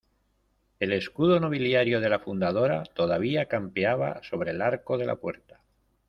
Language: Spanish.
el escudo nobiliario de la fundadora todavía campeaba sobre el arco de la puerta.